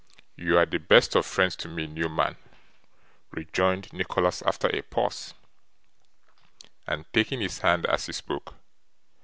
'You are the best of friends to me, Newman,' rejoined Nicholas after a pause, and taking his hand as he spoke.